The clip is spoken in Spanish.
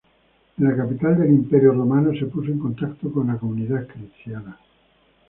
En la capital del Imperio romano se puso en contacto con la comunidad cristiana.